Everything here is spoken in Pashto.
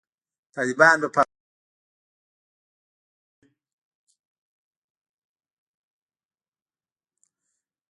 طالبان به په افغانستان کې د هري ډلې مخنیوی کوي.